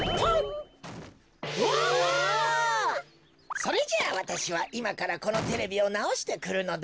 それじゃあわたしはいまからこのテレビをなおしてくるのだ。